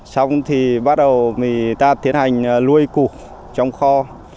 xong thì bắt đầu ta tiến hành luôi cụ trong kho